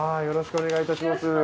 よろしくお願いします。